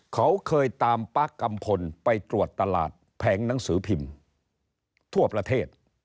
เขาเคยตามป๊ากกัมพลไปตรวจตลาดแผงหนังสือพิมพ์ทั่วประเทศ